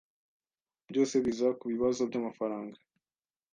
Byose biza kubibazo byamafaranga.